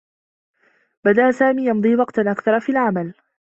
بدأ سامي يمضي وقتا أكثر في العمل.